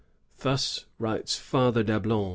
'' Thus writes Father Dablon.